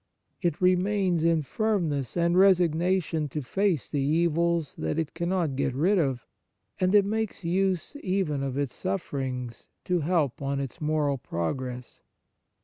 It remains in firmness and resignation to face the evils that it cannot get rid of, and it makes use even of its sufferings to help on its moral pro gress.